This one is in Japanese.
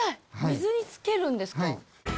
水につけるんですか？